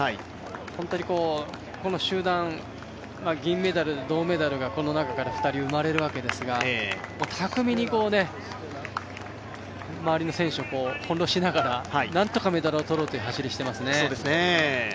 本当に、この集団銀メダル、銅メダルがこの中から２人生まれるわけですが巧みに、周りの選手を翻弄しながら、なんとかメダルを取ろうという走りをしていますね。